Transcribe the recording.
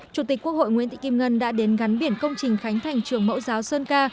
chủ tịch quốc hội nguyễn thị kim ngân đã đến gắn biển công trình khánh thành trường mẫu giáo sơn ca